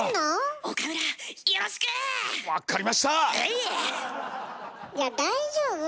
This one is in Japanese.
いや大丈夫？